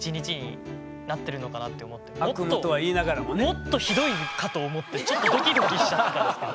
もっとヒドイかと思ってちょっとドキドキしちゃってたんですけど。